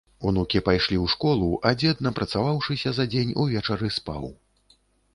Унукі пайшлі ў школу, а дзед, напрацаваўшыся за дзень, увечары спаў.